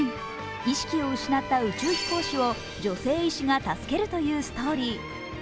意識を失った宇宙飛行士を女性医師が助けるというストーリー。